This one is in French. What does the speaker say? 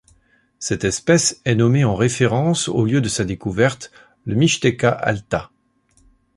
Cette espèce est nommée en référence au lieu de sa découverte, la Mixteca Alta.